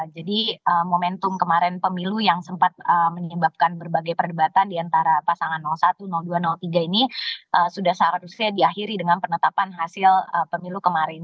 jadi momentum kemarin pemilu yang sempat menyebabkan berbagai perdebatan diantara pasangan satu dua tiga ini sudah seharusnya diakhiri dengan penetapan hasil pemilu kemarin